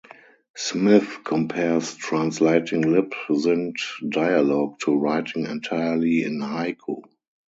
Smith compares translating lip synced dialogue to writing entirely in haiku.